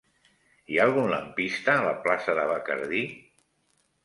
Hi ha algun lampista a la plaça de Bacardí?